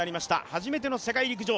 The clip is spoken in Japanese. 初めての世界陸上。